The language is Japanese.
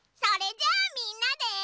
それじゃあみんなで。